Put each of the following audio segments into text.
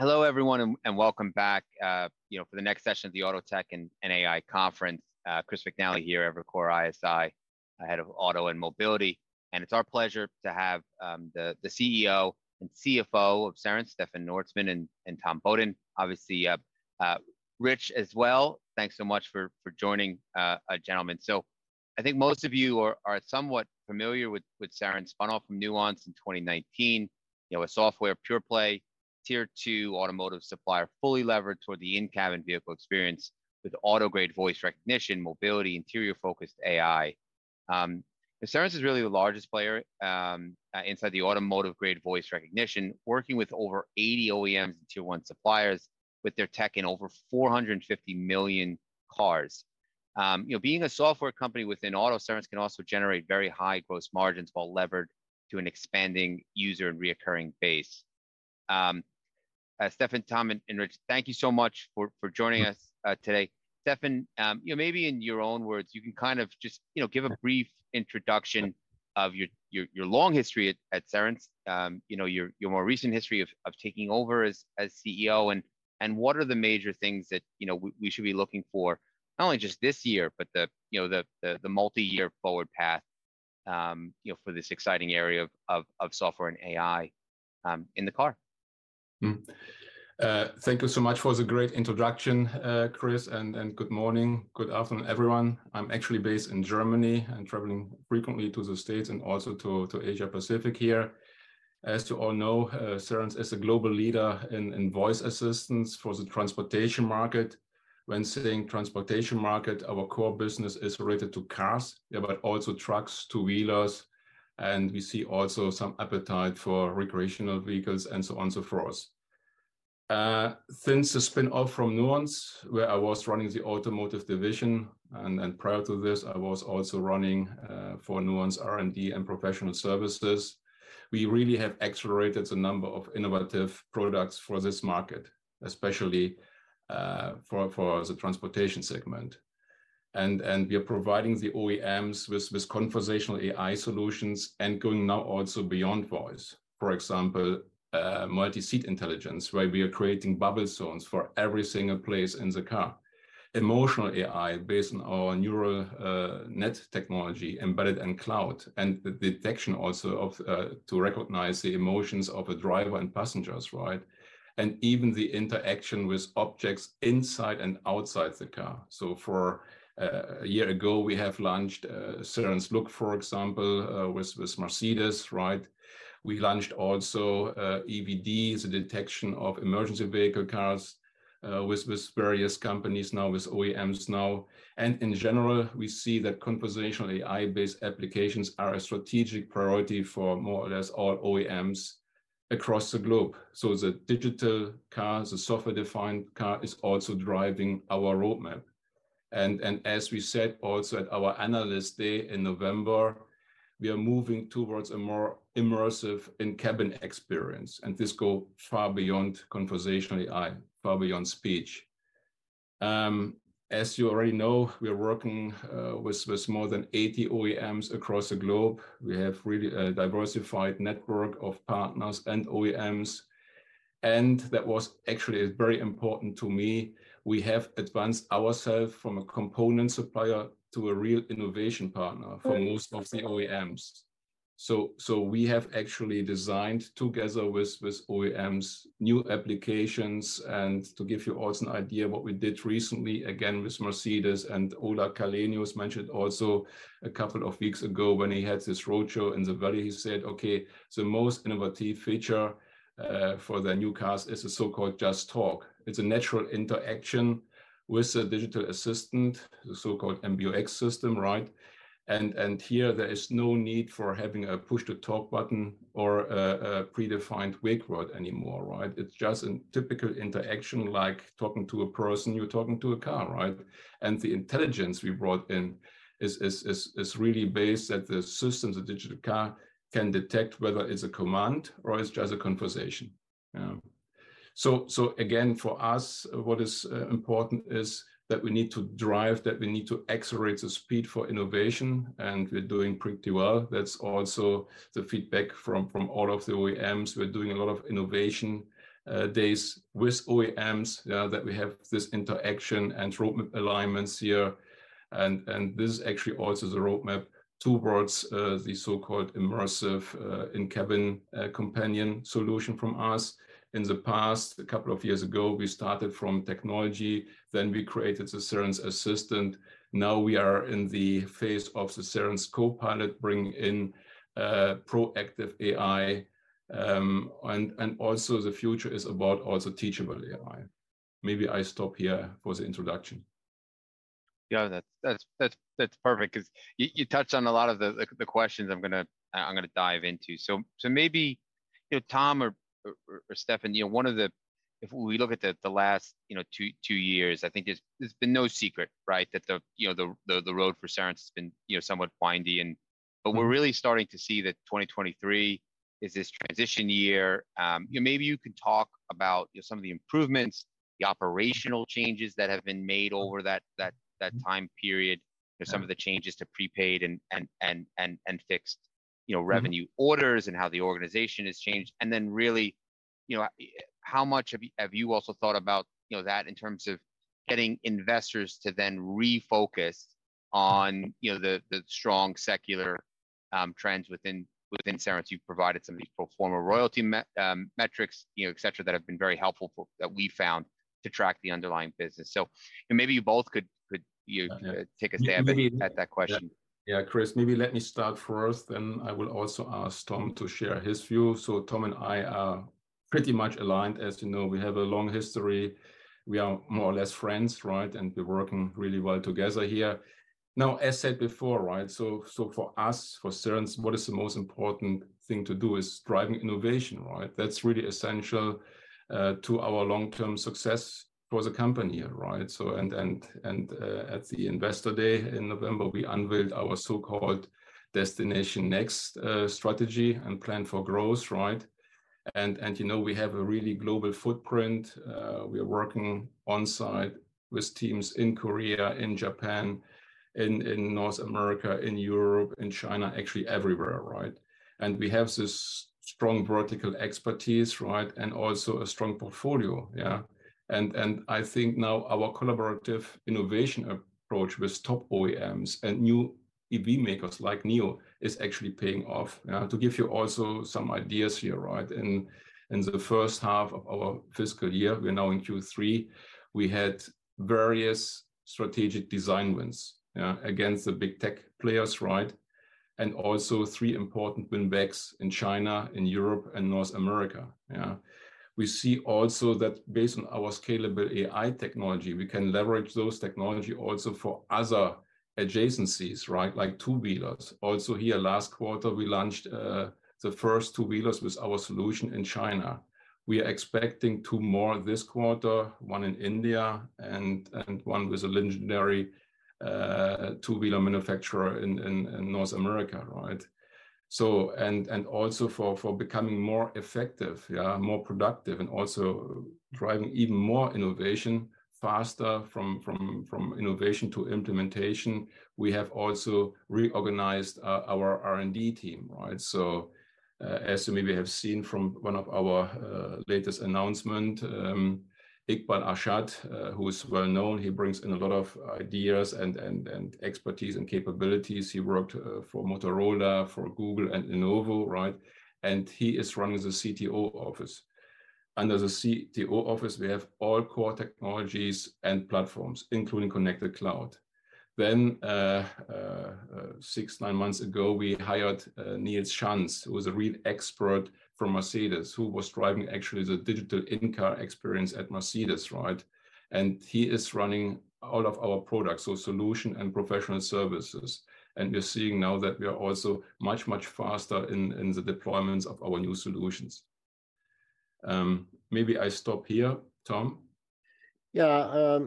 Hello everyone and welcome back, you know, for the next session of the AutoTech and AI Conference. Chris McNally here, Evercore ISI, Head of Auto and Mobility, and it's our pleasure to have the CEO and CFO of Cerence, Stefan Ortmanns and Tom Beaudoin. Obviously, Rich as well. Thanks so much for joining, gentlemen. I think most of you are somewhat familiar with Cerence, spun off from Nuance in 2019. You know, a software Pure Play, Tier 2 automotive supplier fully levered toward the in-cabin vehicle experience with auto grade voice recognition, mobility, interior focused AI. Cerence is really the largest player inside the automotive grade voice recognition, working with over 80 OEMs and Tier 1 suppliers with their tech in over 450 million cars. you know, being a software company within auto service can also generate very high gross margins while levered to an expanding user and reoccurring base. Stefan, Tom and Rich, thank you so much for joining us today. Stefan, you know, maybe in your own words, you can kind of just, you know, give a brief introduction of your long history at Cerence, you know, your more recent history of taking over as CEO and what are the major things that, you know, we should be looking for, not only just this year, but the multi-year forward path, you know, for this exciting area of software and AI in the car? Thank you so much for the great introduction, Chris, and good morning, good afternoon, everyone. I'm actually based in Germany and traveling frequently to the States and also to Asia Pacific here. As you all know, Cerence is a global leader in voice assistance for the transportation market. When saying transportation market, our core business is related to cars, yeah, but also trucks, two-wheelers, and we see also some appetite for recreational vehicles, and so on, so forth. Since the spin off from Nuance, where I was running the automotive division, and prior to this, I was also running for Nuance R&D and professional services, we really have accelerated the number of innovative products for this market, especially for the transportation segment. We are providing the OEMs with conversational AI solutions and going now also beyond voice. For example, Multi-Seat Intelligence, right. We are creating bubble zones for every single place in the car. emotional AI based on our neural net technology, embedded and cloud, and the detection also of to recognize the emotions of a driver and passengers, right. Even the interaction with objects inside and outside the car. For a year ago, we have launched Cerence Look, for example, with Mercedes, right. We launched also EVD, the detection of emergency vehicle cars, with various companies now, with OEMs now. In general, we see that conversational AI-based applications are a strategic priority for more or less all OEMs across the globe. The digital car, the software defined car is also driving our roadmap. As we said also at our analyst day in November, we are moving towards a more immersive in-cabin experience. This go far beyond conversational AI, far beyond speech. As you already know, we are working with more than 80 OEMs across the globe. We have really a diversified network of partners and OEMs. That was actually very important to me. We have advanced ourself from a component supplier to a real innovation partner for most of the OEMs. We have actually designed together with OEMs new applications. To give you also an idea what we did recently, again, with Mercedes, Ola Källenius mentioned also a couple of weeks ago when he had this roadshow in the Valley, he said, "Okay, the most innovative feature for the new cars is the so-called JustTalk." It's a natural interaction with the digital assistant, the so-called MBUX system, right? Here there is no need for having a push to talk button or a predefined wake word anymore, right? It's just a typical interaction like talking to a person, you're talking to a car, right? The intelligence we brought in is really based that the systems, the digital car can detect whether it's a command or it's just a conversation. Again, for us, what is important is that we need to drive, that we need to accelerate the speed for innovation, and we're doing pretty well. That's also the feedback from all of the OEMs. We're doing a lot of innovation days with OEMs that we have this interaction and roadmap alignments here. This is actually also the roadmap towards the so-called immersive in-cabin companion solution from us. In the past, a couple of years ago, we started from technology, then we created the Cerence Assistant. Now we are in the phase of the Cerence Co-Pilot bringing in proactive AI. Also the future is about also teachable AI. Maybe I stop here for the introduction. Yeah. That's perfect 'cause you touched on a lot of the questions I'm gonna dive into. Maybe, you know, Tom or Stefan, you know, if we look at the last, you know, two years, I think it's been no secret, right? That the, you know, the road for Cerence has been, you know, somewhat windy. We're really starting to see that 2023 is this transition year. You know, maybe you could talk about, you know, some of the improvements, the operational changes that have been made over that time period, you know, some of the changes to prepaid and fixed revenue orders and how the organization has changed. Really, you know, how much have you also thought about, you know, that in terms of getting investors to then refocus on, you know, the strong secular trends within Cerence? You've provided some of these pro forma royalty metrics, you know, et cetera, that have been very helpful that we found to track the underlying business. Maybe you both could you take a stab at that question. Yeah, Chris, maybe let me start first, then I will also ask Tom to share his view. Tom and I are pretty much aligned. As you know, we have a long history. We are more or less friends, right? We're working really well together here. Now, as said before, right, so for us, for Cerence, what is the most important thing to do is driving innovation, right? That's really essential to our long-term success for the company, right? At the Investor Day in November, we unveiled our so-called Destination Next strategy and plan for growth, right? You know, we have a really global footprint. We are working on-site with teams in Korea, in Japan, in North America, in Europe, in China, actually everywhere, right? We have this strong vertical expertise, right? Also a strong portfolio, yeah. I think now our collaborative innovation approach with top OEMs and new EV makers like NIO is actually paying off. To give you also some ideas here, right? In the first half of our fiscal year, we're now in Q3, we had various strategic design wins against the big tech players, right? Also three important win backs in China, in Europe and North America. Yeah. We see also that based on our scalable AI technology, we can leverage those technology also for other adjacencies, right? Like two-wheelers. Also here last quarter we launched the first two-wheelers with our solution in China. We are expecting two more this quarter, one in India and one with a legendary two-wheeler manufacturer in North America, right? And also for becoming more effective, more productive, and also driving even more innovation faster from innovation to implementation. We have also reorganized our R&D team, right? As you maybe have seen from one of our latest announcement, Iqbal Arshad, who is well known, he brings in a lot of ideas and expertise and capabilities. He worked for Motorola, for Google and Lenovo, right? He is running the CTO office. Under the CTO office, we have all core technologies and platforms, including Connected Cloud. Six, nine months ago, we hired Nils Schanz, who is a real expert from Mercedes, who was driving actually the digital in-car experience at Mercedes, right? He is running all of our products, solution and professional services. We're seeing now that we are also much, much faster in the deployments of our new solutions. Maybe I stop here. Tom. Yeah.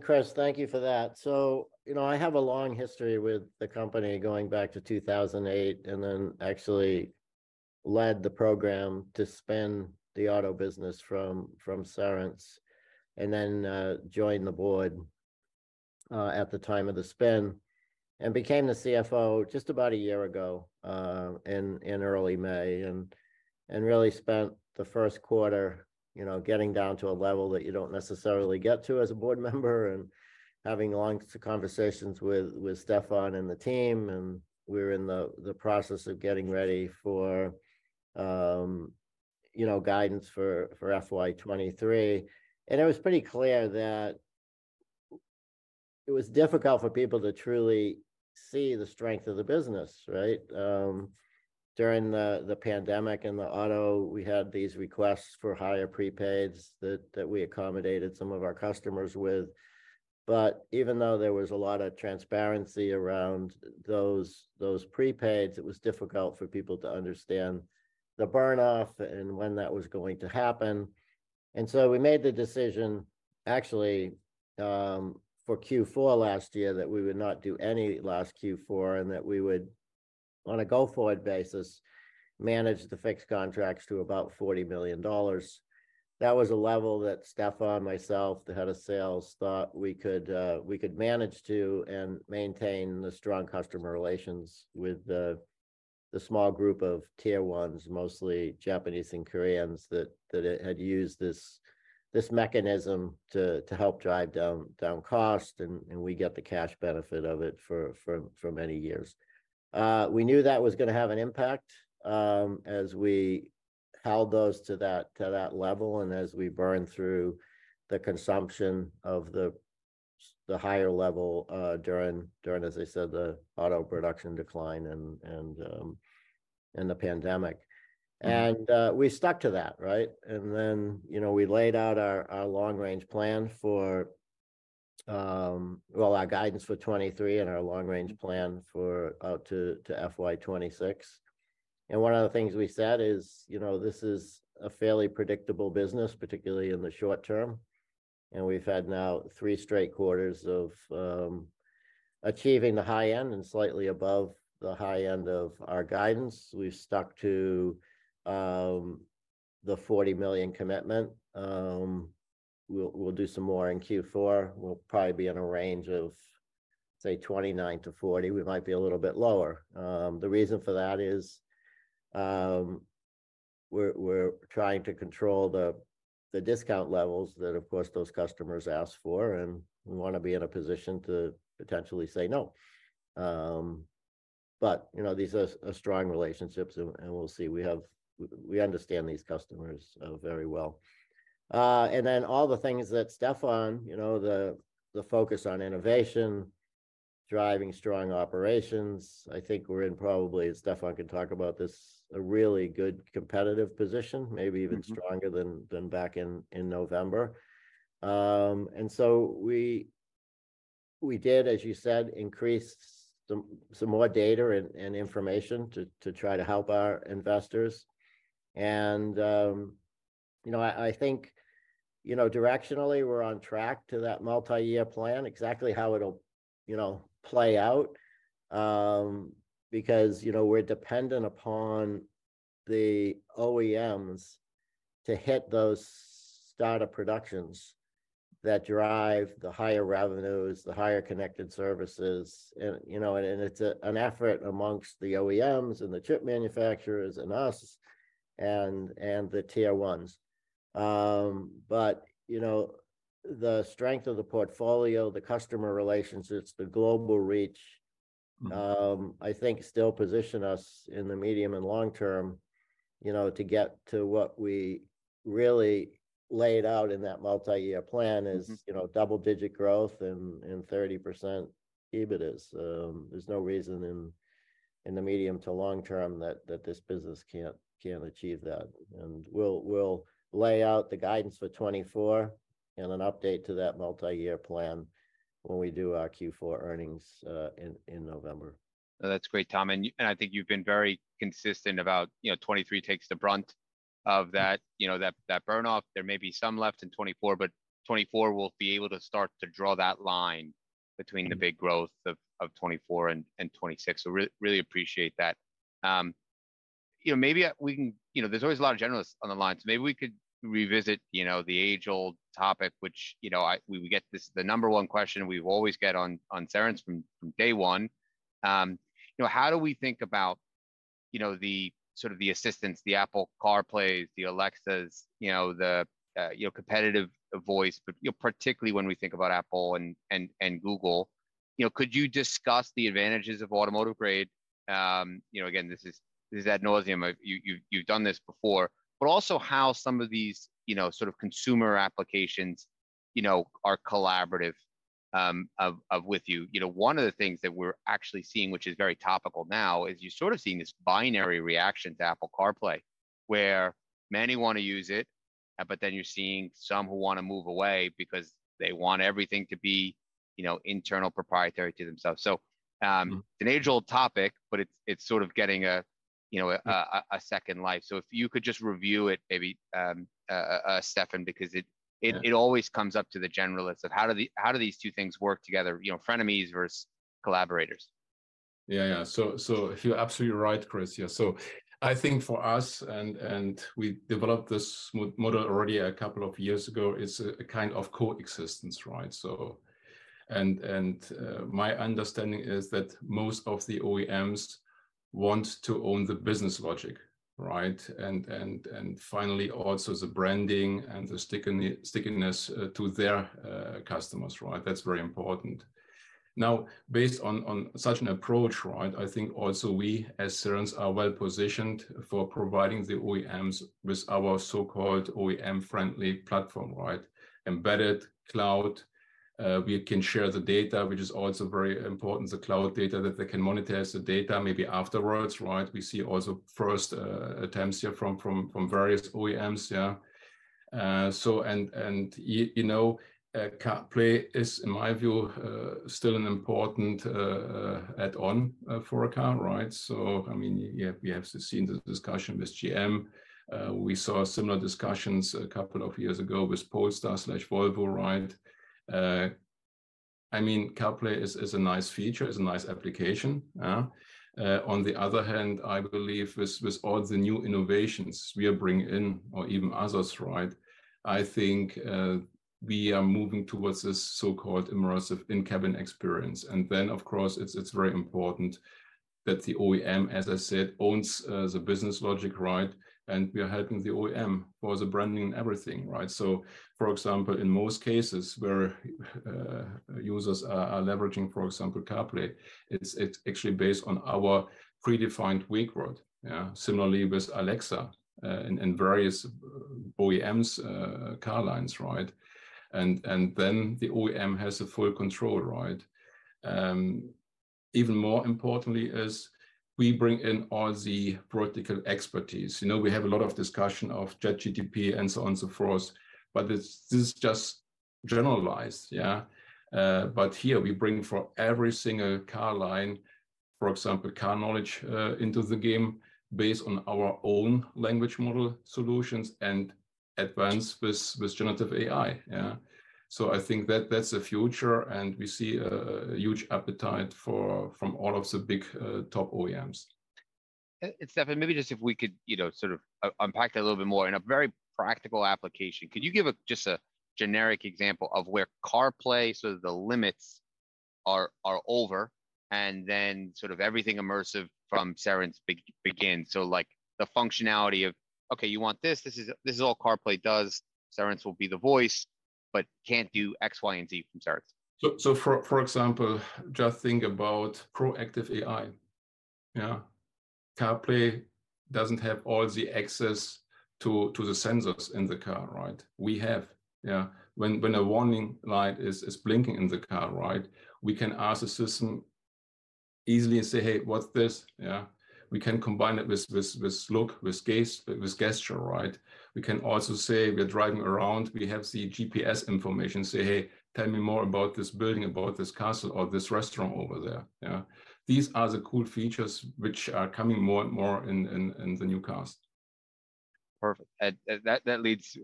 Chris, thank you for that. You know, I have a long history with the company going back to 2008, and then actually led the program to spin the auto business from Cerence, and then joined the board at the time of the spin. Became the CFO just about a year ago in early May, and really spent the first quarter, you know, getting down to a level that you don't necessarily get to as a board member and having long conversations with Stefan and the team. We're in the process of getting ready for, you know, guidance for FY23. It was pretty clear that it was difficult for people to truly see the strength of the business, right? During the pandemic in the auto, we had these requests for higher prepaids that we accommodated some of our customers with. Even though there was a lot of transparency around those prepaids, it was difficult for people to understand the burn-off and when that was going to happen. We made the decision actually, for Q4 last year that we would not do any last Q4, and that we would on a go-forward basis, manage the fixed contracts to about $40 million. That was a level that Stefan, myself, the head of sales thought we could manage to and maintain the strong customer relations with the small group of Tier 1s, mostly Japanese and Koreans, that had used this mechanism to help drive down cost, and we get the cash benefit of it for many years. We knew that was gonna have an impact as we held those to that level and as we burned through the consumption of the higher level during, as I said, the auto production decline and the pandemic. We stuck to that, right? You know, we laid out our long range plan for, well, our guidance for 2023 and our long range plan for out to FY 26. One of the things we said is, you know, this is a fairly predictable business, particularly in the short term. We've had now 3 straight quarters of achieving the high end and slightly above the high end of our guidance. We've stuck to the $40 million commitment. We'll do some more in Q4. We'll probably be in a range of, say, 29-40. We might be a little bit lower. The reason for that is, we're trying to control the discount levels that of course those customers ask for, and we wanna be in a position to potentially say no. You know, these are strong relationships and we'll see. We understand these customers very well. All the things that Stefan, you know, the focus on innovation, driving strong operations, I think we're in probably, and Stefan can talk about this, a really good competitive position. Mm-hmm. Maybe even stronger than back in November. We, we did, as you said, increase some more data and information to try to help our investors. You know, I think, you know, directionally we're on track to that multi-year plan. Exactly how it'll, you know, play out, because, you know, we're dependent upon the OEMs to hit those start of productions that drive the higher revenues, the higher connected services, you know, it's a, an effort amongst the OEMs and the chip manufacturers and us and the Tier 1s. But, you know, the strength of the portfolio, the customer relationships, the global reach- Mm-hmm I think still position us in the medium and long term, you know, to get to what we really laid out in that multi-year plan. Mm-hmm is, you know, double-digit growth and 30% EBIT is. There's no reason in the medium to long term that this business can't achieve that. We'll lay out the guidance for 2024 and an update to that multi-year plan when we do our Q4 earnings in November. That's great, Tom. I think you've been very consistent about, you know, FY23 takes the brunt of that, you know, that burn-off. There may be some left in FY24, but FY24 we'll be able to start to draw that line between the big growth of FY24 and FY26. Really appreciate that. You know, there's always a lot of generalists on the line, so maybe we could revisit, you know, the age-old topic which, you know, we would get this. The number one question we've always get on Cerence from day one, you know, how do we think about, you know, the sort of the assistants, the Apple CarPlays, the Alexas, you know, the competitive voice, but, you know, particularly when we think about Apple and Google. You know, could you discuss the advantages of automotive grade? You know, again, this is, this is ad nauseam. You've done this before. Also how some of these, you know, sort of consumer applications, you know, are collaborative of with you. You know, one of the things that we're actually seeing, which is very topical now, is you're sort of seeing this binary reaction to Apple CarPlay, where many wanna use it, but then you're seeing some who wanna move away because they want everything to be, you know, internal proprietary to themselves. So, Mm-hmm it's an age-old topic, but it's sort of getting a, you know. Yeah. a second life. If you could just review it maybe, Stefan, because Yeah. It always comes up to the generalist of how do these two things work together? You know, frenemies versus collaborators. Yeah, yeah. You're absolutely right, Chris. Yeah. I think for us, and we developed this model already a couple of years ago, it's a kind of coexistence, right? My understanding is that most of the OEMs want to own the business logic, right? Finally, also the branding and the stickiness to their customers, right? That's very important. Now, based on such an approach, right, I think also we as Cerence are well positioned for providing the OEMs with our so-called OEM-friendly platform, right? Embedded cloud, we can share the data, which is also very important, the cloud data, that they can monitor the data maybe afterwards, right? We see also first attempts here from various OEMs, yeah. You know, CarPlay is, in my view, still an important add-on for a car, right? I mean, yeah, we have seen the discussion with GM. We saw similar discussions a couple of years ago with Polestar/Volvo, right? I mean, CarPlay is a nice feature, is a nice application. On the other hand, I believe with all the new innovations we are bringing in, or even others, right, I think, we are moving towards a so-called immersive in-cabin experience. Then, of course, it's very important that the OEM, as I said, owns the business logic, right? We are helping the OEM for the branding and everything, right? For example, in most cases where users are leveraging, for example, CarPlay, it's actually based on our predefined wake word. Yeah. Similarly with Alexa, in various OEMs', car lines, right? Then the OEM has the full control, right? Even more importantly is we bring in all the practical expertise. You know, we have a lot of discussion of ChatGPT and so on and so forth, but this is just generalized, yeah? Here we bring for every single car line, for example, car knowledge, into the game based on our own language model solutions and advanced with generative AI. Yeah. I think that that's the future, and we see a huge appetite for, from all of the big, top OEMs. Stefan, maybe just if we could, you know, sort of unpack that a little bit more. In a very practical application, could you give a, just a generic example of where CarPlay sort of the limits are over, and then sort of everything immersive from Cerence begins? Like, the functionality of, "Okay, you want this is all CarPlay does. Cerence will be the voice, but can't do X, Y, and Z from Cerence. For example, just think about proactive AI. Yeah. CarPlay doesn't have all the access to the sensors in the car, right? We have. Yeah. When a warning light is blinking in the car, right, we can ask the system easily and say, "Hey, what's this?" Yeah. We can combine it with this, with Look, with gaze, with gesture, right? We can also say we're driving around, we have the GPS information, say, "Hey, tell me more about this building, about this castle or this restaurant over there." Yeah. These are the cool features which are coming more and more in the new cars. Perfect. That leads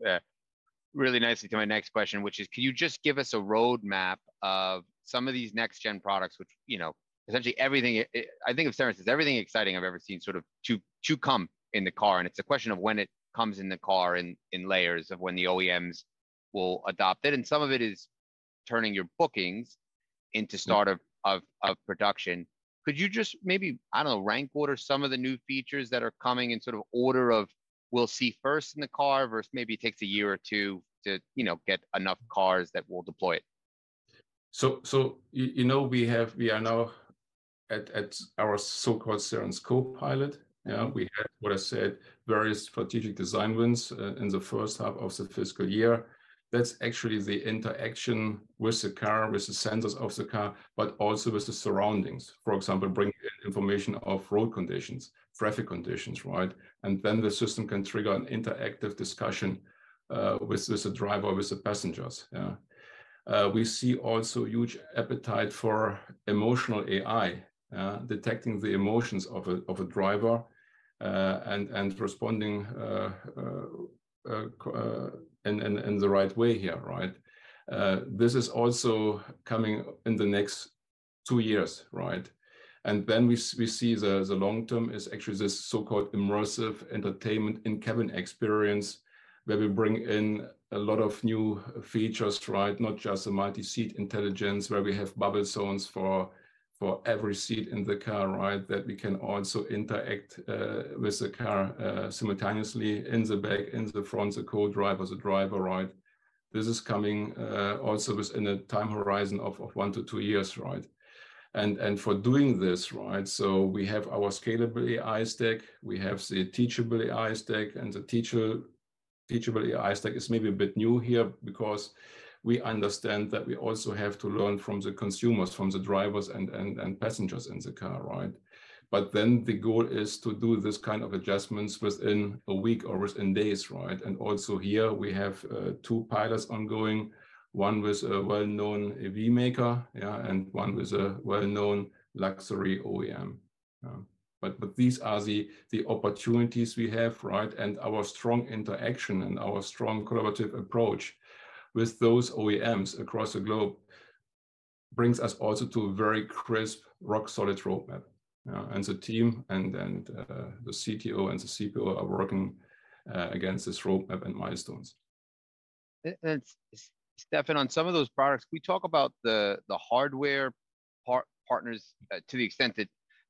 really nicely to my next question, which is, can you just give us a roadmap of some of these next gen products which, you know, essentially everything. I think of Cerence as everything exciting I've ever seen sort of to come in the car, and it's a question of when it comes in the car in layers of when the OEMs will adopt it, and some of it is turning your bookings into start of production. Could you just maybe, I don't know, rank order some of the new features that are coming in sort of order of we'll see first in the car versus maybe takes a year or two to, you know, get enough cars that will deploy it? You know, we have, we are now at our so-called Cerence Co-Pilot. Yeah. We had, what I said, various strategic design wins in the first half of the fiscal year. That's actually the interaction with the car, with the centers of the car, but also with the surroundings. For example, bringing in information of road conditions, traffic conditions, right? Then the system can trigger an interactive discussion with the driver, with the passengers. Yeah. We see also huge appetite for emotional AI, detecting the emotions of a driver and responding in the right way here, right? This is also coming in the next two years, right? We see the long term is actually this so-called immersive entertainment in-cabin experience, where we bring in a lot of new features, right? Not just the Multi-Seat Intelligence, where we have bubble zones for every seat in the car, right? That we can also interact with the car simultaneously in the back, in the front, the co-driver, the driver, right? This is coming also within a time horizon of 1 to 2 years, right? For doing this, right, so we have our scalable AI stack, we have the Teachable AI stack, and the Teachable AI stack is maybe a bit new here because we understand that we also have to learn from the consumers, from the drivers and passengers in the car, right? The goal is to do this kind of adjustments within a week or within days, right? Also here we have 2 pilots ongoing, one with a well-known EV maker, and one with a well-known luxury OEM. These are the opportunities we have, right? Our strong interaction and our strong collaborative approach with those OEMs across the globe brings us also to a very crisp, rock solid roadmap. The team and the CTO and the CPO are working against this roadmap and milestones. Stefan, on some of those products, we talk about the hardware partners, to the extent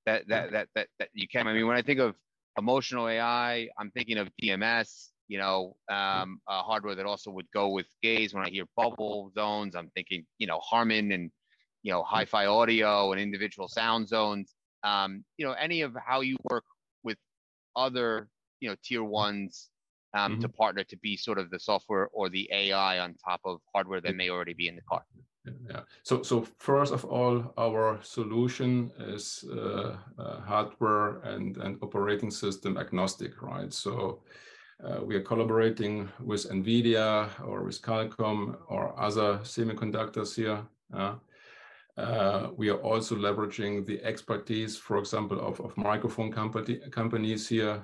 that you can. I mean, when I think of emotional AI, I'm thinking of DMS, you know, hardware that also would go with gaze. When I hear bubble zones, I'm thinking, you know, Harman and, you know, hi-fi audio and individual sound zones. You know, any of how you work with other, you know, Tier 1s... to partner to be sort of the software or the AI on top of hardware that may already be in the car? First of all, our solution is hardware and operating system agnostic, right? We are collaborating with NVIDIA or with Qualcomm or other semiconductors here. We are also leveraging the expertise, for example, of microphone companies here,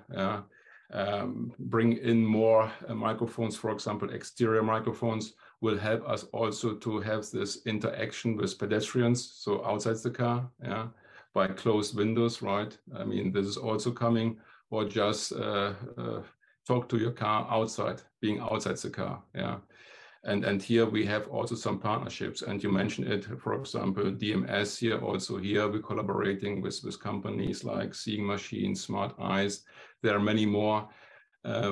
bring in more microphones, for example, exterior microphones will help us also to have this interaction with pedestrians, outside the car, yeah, by closed windows, right? I mean, this is also coming or just talk to your car outside, being outside the car. Here we have also some partnerships, you mentioned it, for example, DMS here. Also here, we're collaborating with companies like Seeing Machines, Smart Eye. There are many more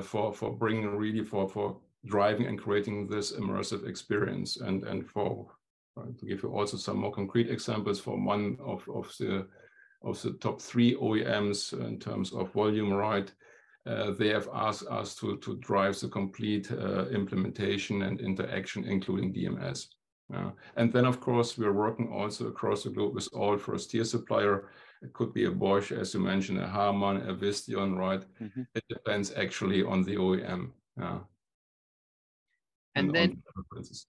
for bringing really for driving and creating this immersive experience and for to give you also some more concrete examples from one of the top three OEMs in terms of volume, right? They have asked us to drive the complete implementation and interaction, including DMS. Then of course, we are working also across the globe with all first tier supplier. It could be a Bosch, as you mentioned, a Harman, a Visteon, right? Mm-hmm. It depends actually on the OEM. And then- On the preferences.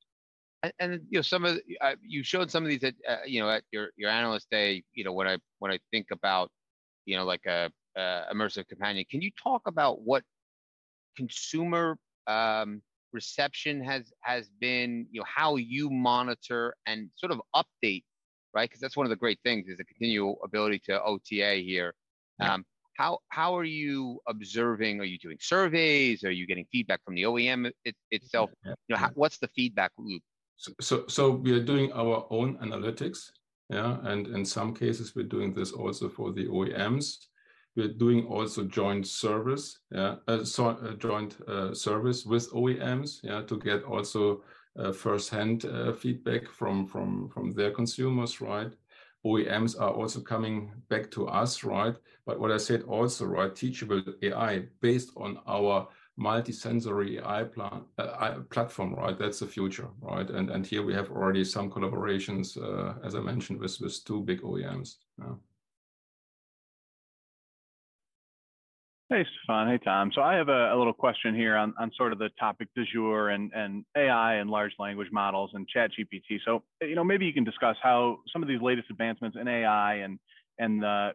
you know, you showed some of these at, you know, at your Analyst Day. You know, when I, when I think about, you know, like a immersive companion, can you talk about consumer reception has been, you know, how you monitor and sort of update, right? 'Cause that's one of the great things is the continual ability to OTA here. How are you observing? Are you doing surveys? Are you getting feedback from the OEM itself? Yeah. You know, how, what's the feedback loop? We are doing our own analytics. Yeah. In some cases we're doing this also for the OEMs. We're doing also joint service with OEMs, yeah, to get also first-hand feedback from their consumers. OEMs are also coming back to us. What I said also, teachable AI based on our multisensory AI platform. That's the future. Here we have already some collaborations, as I mentioned with two big OEMs. Yeah. Hey, Stefan. Hey, Tom. I have a little question here on sort of the topic du jour and AI and large language models and ChatGPT. You know, maybe you can discuss how some of these latest advancements in AI and,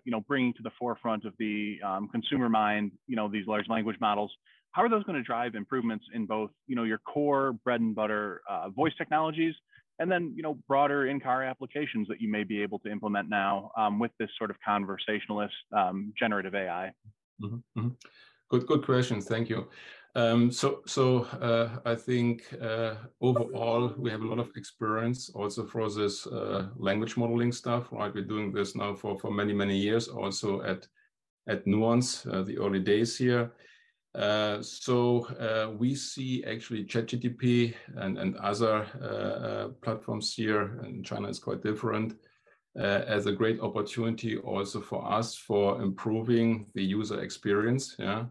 you know, bringing to the forefront of the consumer mind, you know, these large language models, how are those gonna drive improvements in both, you know, your core bread and butter voice technologies and then, you know, broader in-car applications that you may be able to implement now with this sort of conversationalist generative AI? Good questions. Thank you. I think overall, we have a lot of experience also for this language modeling stuff, right? We're doing this now for many, many years also at Nuance, the early days here. We see actually ChatGPT and other platforms here and China is quite different, as a great opportunity also for us for improving the user experience. Yeah.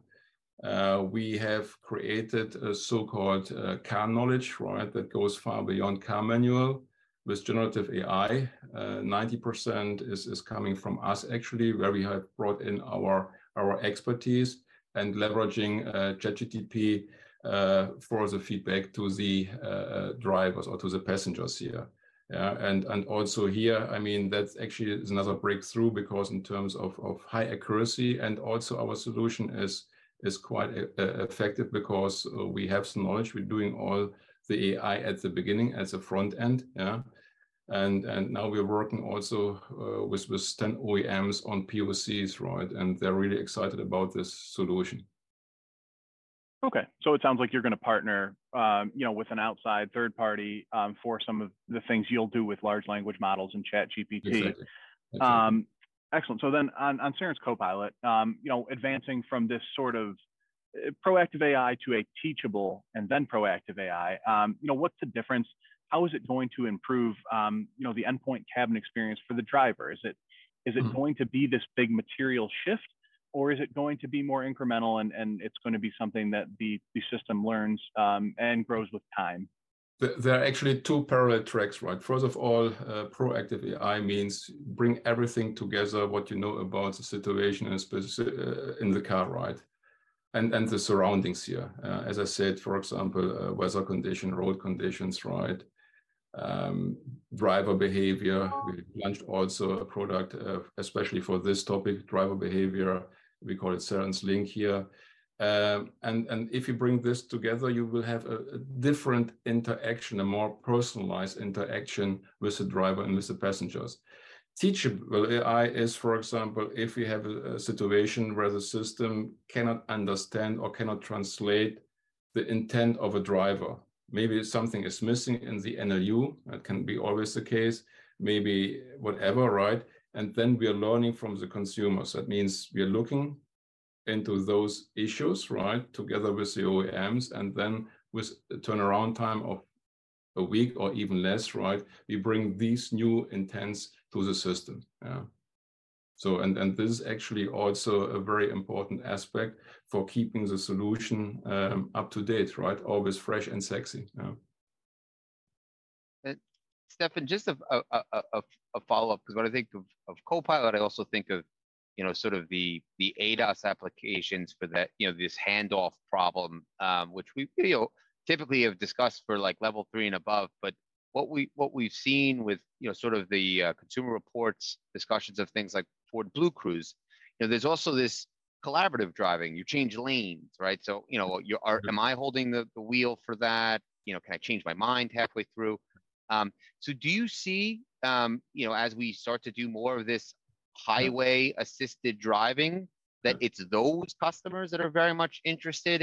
We have created a so-called car knowledge, right, that goes far beyond car manual with generative AI. 90% is coming from us actually, where we have brought in our expertise and leveraging ChatGPT for the feedback to the drivers or to the passengers here. Also here, I mean, that actually is another breakthrough because in terms of high accuracy and also our solution is quite effective because we have some knowledge. We're doing all the AI at the beginning as a front end. Yeah. Now we're working also with 10 OEMs on POCs, right? They're really excited about this solution. Okay. It sounds like you're gonna partner, you know, with an outside third party, for some of the things you'll do with large language models and ChatGPT. Exactly. That's right. Excellent. On Cerence Copilot, advancing from this sort of proactive AI to a teachable and then proactive AI, what's the difference? How is it going to improve, the endpoint cabin experience for the driver? Is it? Mm going to be this big material shift, or is it going to be more incremental and it's gonna be something that the system learns, and grows with time? There are actually two parallel tracks, right? First of all, proactive AI means bring everything together, what you know about the situation in the car, right? The surroundings here. As I said, for example, weather condition, road conditions, right? Driver behavior. We launched also a product, especially for this topic, driver behavior, we call it Cerence Link here. If you bring this together, you will have a different interaction, a more personalized interaction with the driver and with the passengers. Teachable AI is, for example, if you have a situation where the system cannot understand or cannot translate the intent of a driver, maybe something is missing in the NLU, that can be always the case, maybe whatever, right? We are learning from the consumers. That means we are looking into those issues, right, together with the OEMs, with the turnaround time of a week or even less, right? We bring these new intents to the system. Yeah. This is actually also a very important aspect for keeping the solution up to date, right? Always fresh and sexy. Yeah. Stefan, just a follow-up, 'cause when I think of Copilot, I also think of, you know, sort of the ADAS applications for the, you know, this handoff problem, which we, you know, typically have discussed for, like, level 3 and above. What we've seen with, you know, sort of the Consumer Reports, discussions of things like Ford BlueCruise, you know, there's also this collaborative driving. You change lanes, right? You know, you, am I holding the wheel for that? You know, can I change my mind halfway through? Do you see, you know, as we start to do more of this highway assisted driving, that it's those customers that are very much interested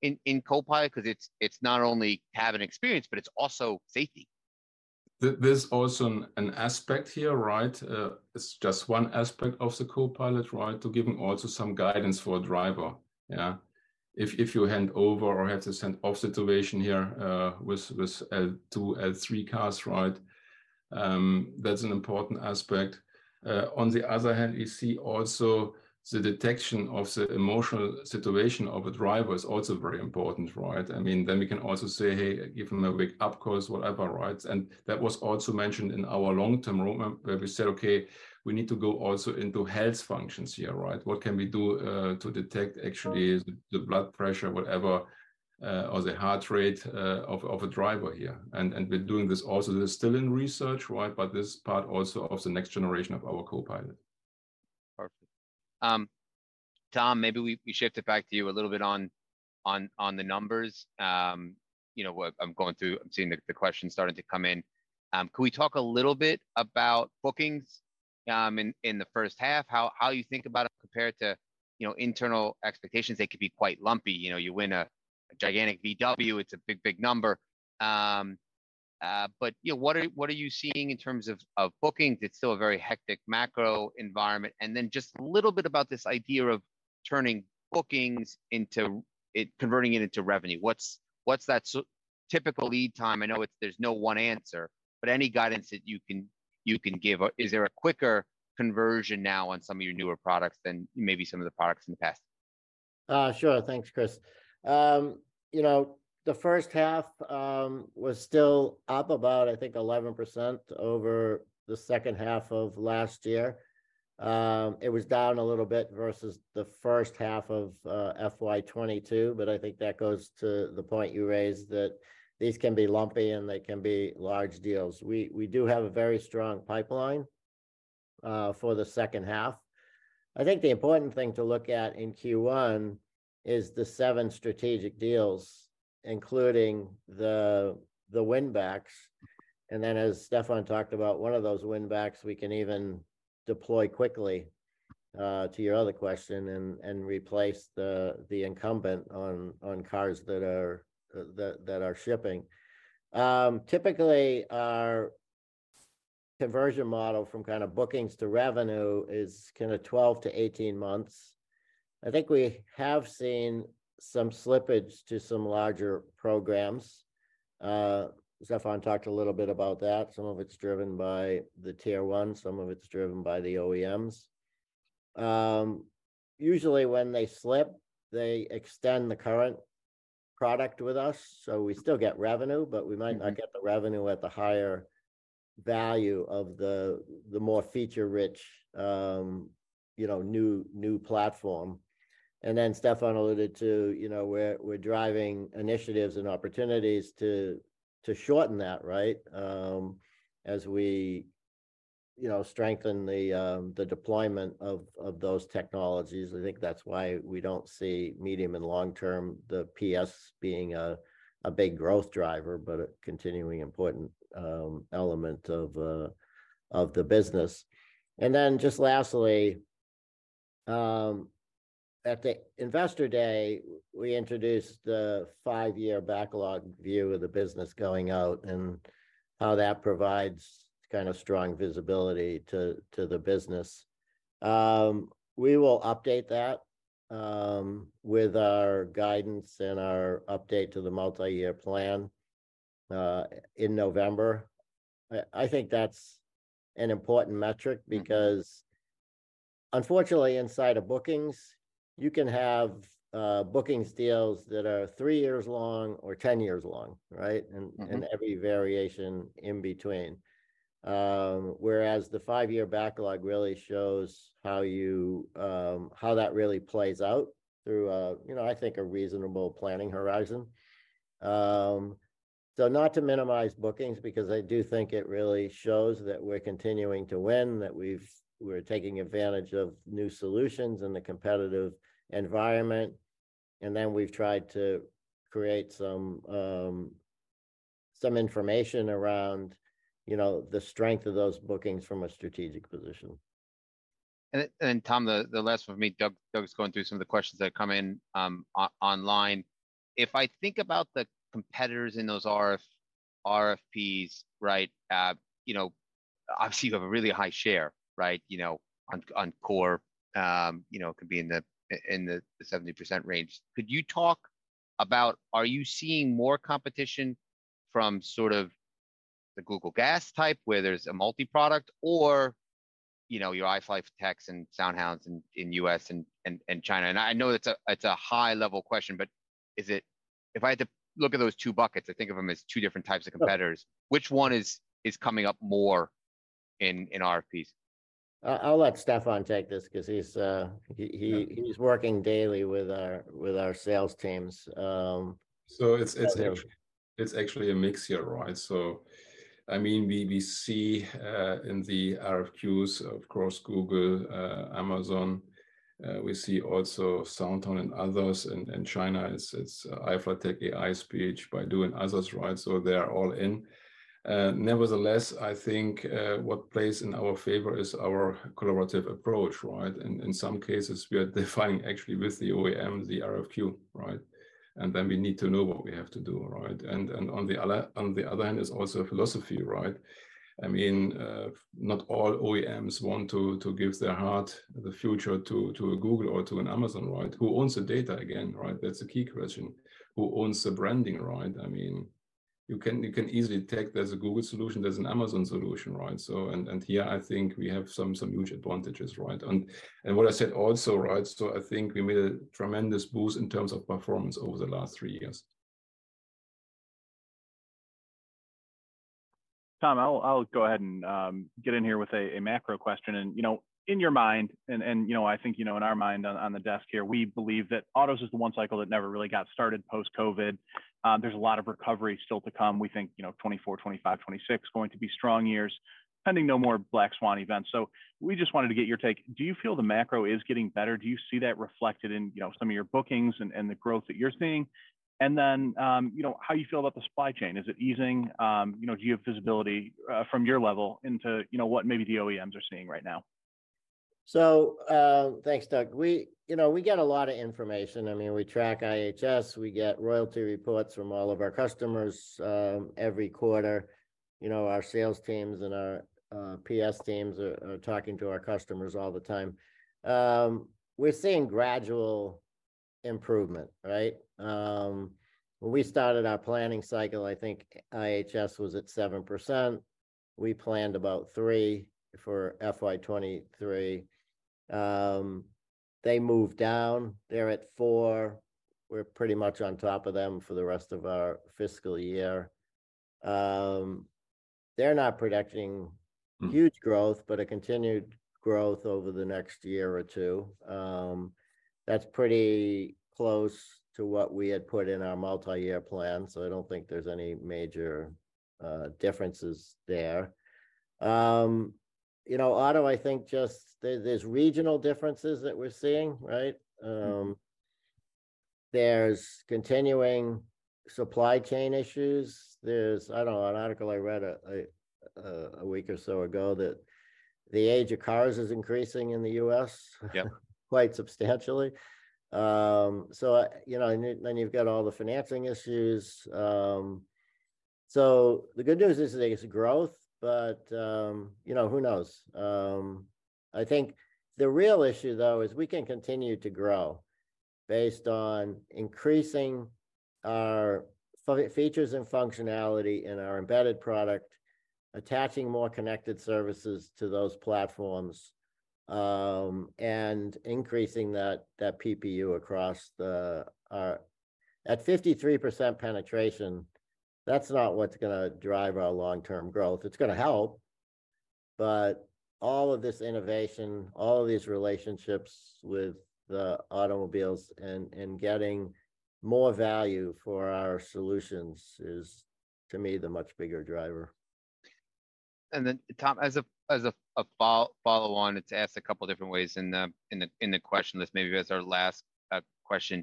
in Copilot? 'Cause it's not only cabin experience, but it's also safety. There's also an aspect here, right? It's just one aspect of the Copilot, right? To give also some guidance for a driver. If you hand over or have this handoff situation here, with L2, L3 cars, right? That's an important aspect. On the other hand, you see also the detection of the emotional situation of a driver is also very important, right? I mean, then we can also say, "Hey, give him a wake-up call," whatever, right? That was also mentioned in our long-term roadmap where we said, "Okay, we need to go also into health functions here," right? What can we do to detect actually the blood pressure, whatever, or the heart rate of a driver here. We're doing this also, this is still in research, right? This part also of the next generation of our Co-Pilot. Perfect. Tom, maybe we shift it back to you a little bit on the numbers. You know, what I'm going through, I'm seeing the questions starting to come in. Could we talk a little bit about bookings in the first half? How you think about it compared to, you know, internal expectations? They could be quite lumpy. You know, you win a gigantic VW, it's a big number. But, you know, what are you seeing in terms of bookings? It's still a very hectic macro environment. Just a little bit about this idea of turning bookings into converting it into revenue. What's that typical lead time? I know there's no one answer, but any guidance that you can give. Is there a quicker conversion now on some of your newer products than maybe some of the products in the past? Sure. Thanks, Chris. You know, the first half was still up about, I think, 11% over the second half of last year. It was down a little bit versus the first half of FY22, but I think that goes to the point you raised that these can be lumpy, and they can be large deals. We do have a very strong pipeline for the second half. I think the important thing to look at in Q1 is the 7 strategic deals, including the win backs. As Stefan talked about, one of those win backs we can even deploy quickly to your other question, and replace the incumbent on cars that are shipping. Typically our conversion model from kind of bookings to revenue is kinda 12-18 months. I think we have seen some slippage to some larger programs. Stefan talked a little bit about that. Some of it's driven by the Tier 1, some of it's driven by the OEMs. Usually when they slip, they extend the current product with us, so we still get revenue- Mm-hmm but we might not get the revenue at the higher value of the more feature rich, you know, new platform. Stefan alluded to, you know, we're driving initiatives and opportunities to shorten that, right? As we, you know, strengthen the deployment of those technologies. I think that's why we don't see medium and long term, the PS being a big growth driver, but a continuing important element of the business. Just lastly, at the Investor Day we introduced the five-year backlog view of the business going out and how that provides kind of strong visibility to the business. We will update that with our guidance and our update to the multi-year plan in November. I think that's an important metric. because unfortunately, inside of bookings, you can have bookings deals that are 3 years long or 10 years long, right? Mm-hmm. Every variation in between. Whereas the five-year backlog really shows how you, how that really plays out through, you know, I think a reasonable planning horizon. Not to minimize bookings, because I do think it really shows that we're continuing to win, that we're taking advantage of new solutions in the competitive environment. Then we've tried to create some information around, you know, the strength of those bookings from a strategic position. Tom, the last one for me. Doug's going through some of the questions that have come in online. If I think about the competitors in those RFPs, right, you know, obviously you have a really high share, right, you know, on core. you know, it could be in the 70% range. Could you talk about are you seeing more competition from sort of the Google Automotive Services type, where there's a multi-product, or, you know, your iFLYTEKs and SoundHound AI in U.S. and China? I know that's a, it's a high level question, but is it? If I had to look at those two buckets, I think of them as two different types of competitors. Oh. Which one is coming up more in RFPs? I'll let Stefan take this, 'cause he's. Yeah. he's working daily with our sales teams. It's actually a mix here, right? I mean, we see, in the RFQs, of course, Google, Amazon. We see also SoundHound and others in China. It's iFLYTEK, iFLYTEK, Baidu and others, right? They are all in. Nevertheless, I think, what plays in our favor is our collaborative approach, right? In some cases we are defining actually with the OEM, the RFQ, right? We need to know what we have to do, right? On the other hand, it's also a philosophy, right? I mean, not all OEMs want to give their heart, the future to a Google or to an Amazon, right? Who owns the data again, right? That's the key question. Who owns the branding, right? I mean, you can easily detect there's a Google solution, there's an Amazon solution, right? And here I think we have some huge advantages, right? And what I said also, right, so I think we made a tremendous boost in terms of performance over the last three years. Tom, I'll go ahead and get in here with a macro question. You know, in your mind, and, you know, I think, you know, in our mind on the desk here, we believe that autos is the one cycle that never really got started post-COVID. There's a lot of recovery still to come. We think, you know, 2024, 2025, 2026 going to be strong years, pending no more black swan events. We just wanted to get your take. Do you feel the macro is getting better? Do you see that reflected in, you know, some of your bookings and the growth that you're seeing? Then, you know, how you feel about the supply chain. Is it easing? You know, do you have visibility from your level into, you know, what maybe the OEMs are seeing right now? Thanks, Doug. We, you know, we get a lot of information. I mean, we track IHS, we get royalty reports from all of our customers every quarter. You know, our sales teams and our PS teams are talking to our customers all the time. We're seeing gradual improvement, right? When we started our planning cycle, I think IHS was at 7%. We planned about 3% for FY23. They moved down. They're at 4%. We're pretty much on top of them for the rest of our fiscal year. They're not projecting. huge growth, but a continued growth over the next year or 2. That's pretty close to what we had put in our multi-year plan, so I don't think there's any major differences there. You know, auto, I think, just there's regional differences that we're seeing, right? There's continuing supply chain issues. There's, I don't know, an article I read a 1 week or so ago that the age of cars is increasing in the U.S.- Yeah. quite substantially. you know, and then you've got all the financing issues. The good news is that there's growth but, you know, who knows? I think the real issue, though, is we can continue to grow based on increasing our features and functionality in our embedded product, attaching more connected services to those platforms, and increasing that PPU across the, our... At 53% penetration, that's not what's gonna drive our long-term growth. It's gonna help, all of this innovation, all of these relationships with the automobiles and getting more value for our solutions is, to me, the much bigger driver. Tom, as a follow-on, it's asked a couple different ways in the question list. Maybe as our last question.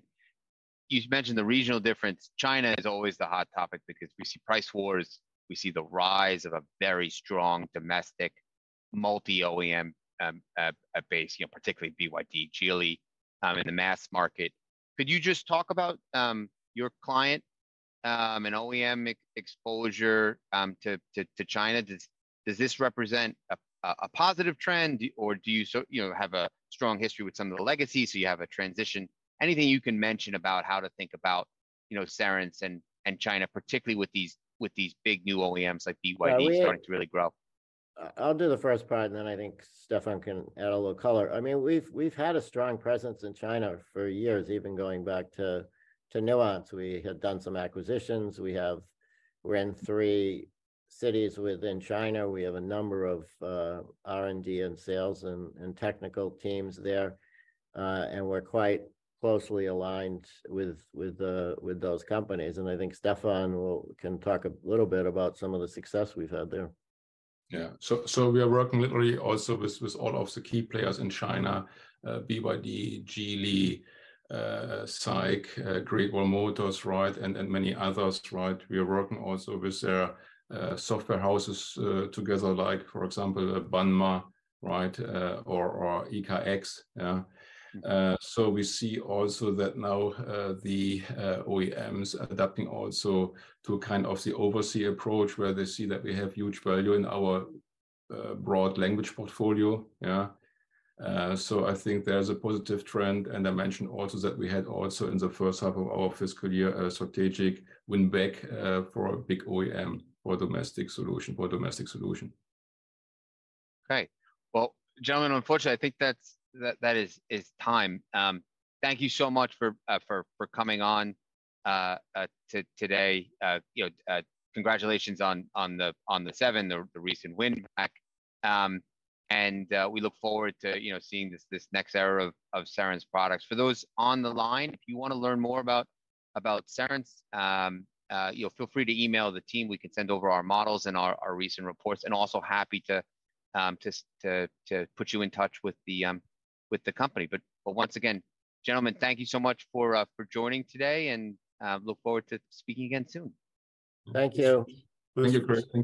You've mentioned the regional difference. China is always the hot topic because we see price wars, we see the rise of a very strong domestic multi-OEM base, you know, particularly BYD, Geely, in the mass market. Could you just talk about your client and OEM exposure to China? Does this represent a positive trend or do you know, have a strong history with some of the legacies so you have a transition? Anything you can mention about how to think about, you know, Cerence and China, particularly with these big new OEMs like BYD starting to really grow. I'll do the first part, and then I think Stefan can add a little color. I mean, we've had a strong presence in China for years, even going back to Nuance. We had done some acquisitions. We're in three cities within China. We have a number of R&D and sales and technical teams there, and we're quite closely aligned with those companies. I think Stefan can talk a little bit about some of the success we've had there. Yeah. We are working literally also with all of the key players in China, BYD, Geely, SAIC, Great Wall Motor, right, and many others, right? We are working also with their software houses together, like, for example, Banma, right, or ECARX. We see also that now the OEMs are adapting also to kind of the oversea approach, where they see that we have huge value in our broad language portfolio, yeah. I think there's a positive trend, and I mentioned also that we had also in the first half of our fiscal year a strategic win back for a big OEM for a domestic solution. Great. Well, gentlemen, unfortunately, I think that's, that is time. Thank you so much for coming on today, you know, congratulations on the seven, the recent win back. And we look forward to, you know, seeing this next era of Cerence products. For those on the line, if you wanna learn more about Cerence, you know, feel free to email the team. We can send over our models and our recent reports, and also happy to put you in touch with the company. But once again, gentlemen, thank you so much for joining today, and look forward to speaking again soon. Thank you. Thank you, Chris. Thank you.